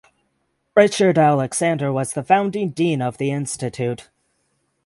Richard Alexander was the founding Dean of the Institute.